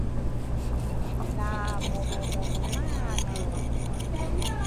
la murumuru madu